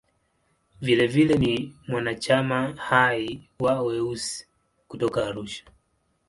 Vilevile ni mwanachama hai wa "Weusi" kutoka Arusha.